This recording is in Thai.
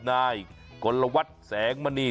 นายกลวัตแสงมณี